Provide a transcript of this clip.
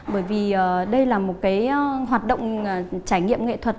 bởi vì đây là một cái hoạt động trải nghiệm nghệ thuật